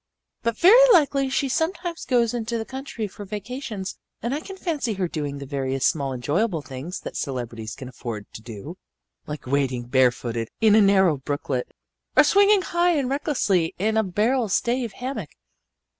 But very likely she sometimes goes into the country for vacations, and I can fancy her doing the various small enjoyable things that celebrities can afford to do like wading barefooted in a narrow brooklet, or swinging high and recklessly in a barrel stave hammock."